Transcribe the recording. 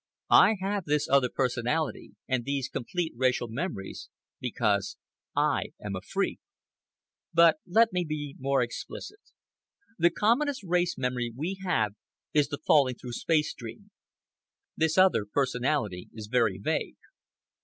I have this other personality and these complete racial memories because I am a freak. But let me be more explicit. The commonest race memory we have is the falling through space dream. This other personality is very vague.